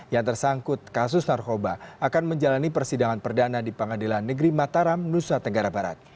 yang tersangkut kasus narkoba akan menjalani persidangan perdana di pengadilan negeri mataram nusa tenggara barat